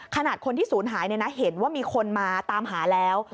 ขนาดคนที่ศูนย์หายเห็นว่ามีคนมาตามหาแล้ว